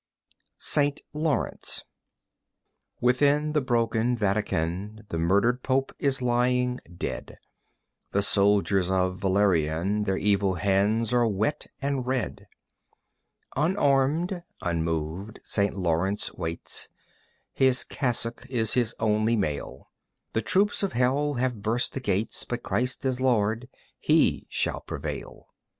St. Laurence Within the broken Vatican The murdered Pope is lying dead. The soldiers of Valerian Their evil hands are wet and red. Unarmed, unmoved, St. Laurence waits, His cassock is his only mail. The troops of Hell have burst the gates, But Christ is Lord, He shall prevail.